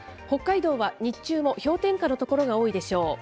北海道は日中も氷点下の所が多いでしょう。